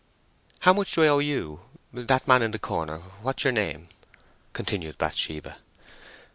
"How much do I owe you—that man in the corner—what's your name?" continued Bathsheba.